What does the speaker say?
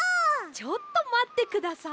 ちょっとまってください。